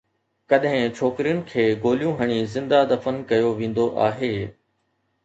ڪڏهن ڇوڪرين کي گوليون هڻي زنده دفن ڪيو ويندو آهي